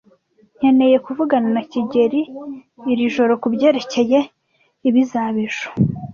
Nkeneye kuvugana na kigeli iri joro kubyerekeye ibizaba ejo.